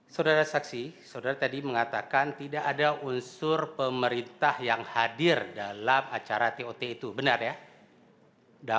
saudara saksi saudara tadi mengatakan tidak ada unsur pemerintah yang hadir dalam acara tot itu benar ya